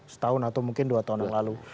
setahun atau mungkin dua tahun yang lalu